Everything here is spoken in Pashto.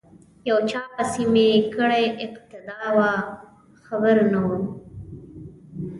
یو چا پسې می کړې اقتدا وه خبر نه وم